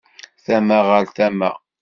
Tama ɣer tama.